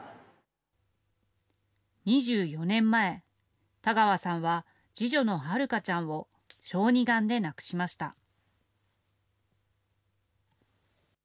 ２４年前、田川さんは次女のはるかちゃんを、小児がんで亡くしました。